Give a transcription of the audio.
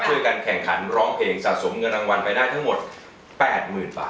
ช่วยกันแข่งขันร้องเพลงสะสมเงินรางวัลไปได้ทั้งหมด๘๐๐๐บาท